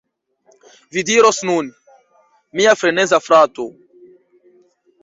Vi diros nun: "Mia freneza frato!